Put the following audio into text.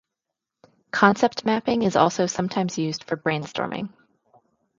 Concept mapping is also sometimes used for brain-storming.